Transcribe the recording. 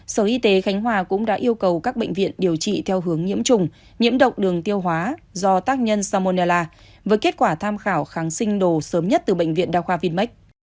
sở y tế khánh hòa cũng đã yêu cầu các bệnh viện điều trị theo hướng nhiễm trùng nhiễm độc đường tiêu hóa do tác nhân samonella với kết quả tham khảo kháng sinh đồ sớm nhất từ bệnh viện đa khoa vinmec